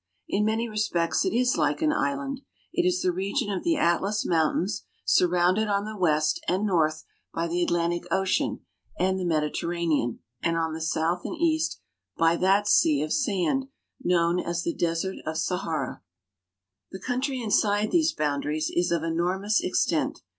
In many respects it is like an island. It is the region of the Atlas Mountains, surrounded on the west and north by the Atlantic Ocean and the Mediterranean, and on the south and east by that sea of sand, known as the Desert of Sahara. MOROCCO 1 5 The country inside these boundaries is of enormous extent.